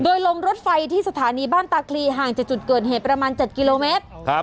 โดยลงรถไฟที่สถานีบ้านตาคลีห่างจากจุดเกิดเหตุประมาณ๗กิโลเมตร